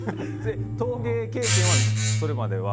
陶芸経験はそれまでは？